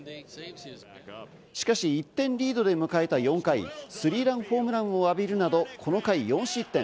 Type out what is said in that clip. しかし１点リードで迎えた４回、３ランホームランを浴びるなど、この回４失点。